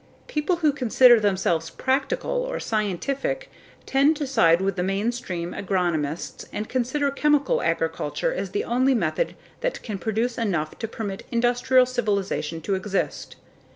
People who consider themselves "practical" or scientific tend to side with the mainstream agronomists and consider chemical agriculture as the only method that can produce enough to permit industrial civilization to exist.